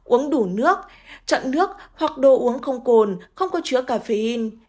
uống đủ nước chặn nước hoặc đồ uống không cồn không có chữa caffeine